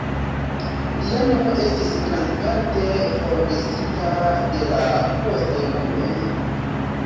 Lia nomo estis grandparte forgesita de la posteuloj.